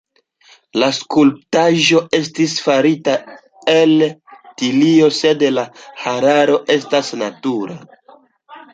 La skulptaĵo estis farita el tilio, sed la hararo estas natura.